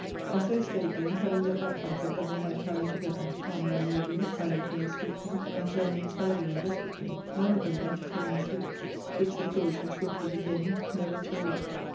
And so stayed they, having yet that comfort that they might tarry together ; Pamela nobly, Philoclea sweetly, and Zelmane sadly and desperately, none of them entertaining sleep, which they thought should shortly begin never to awake.